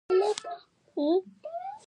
هغې د شپه تر سیوري لاندې د مینې کتاب ولوست.